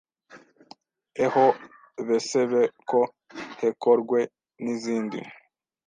eho besebe ko hekorwe nizindi